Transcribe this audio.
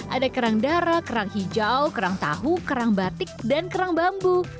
ada kerang darah kerang hijau kerang tahu kerang batik dan kerang bambu